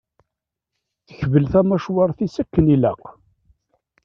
Tekbel tamacwart-is akken ilaq.